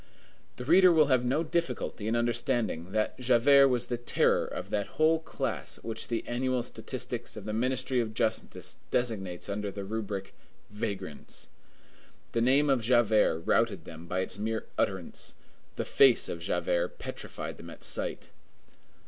The reader will have no difficulty in understanding that Javert was the terror of that whole class which the annual statistics of the Ministry of Justice designates under the rubric, Vagrants. The name of Javert routed them by its mere utterance; the face of Javert petrified them at sight.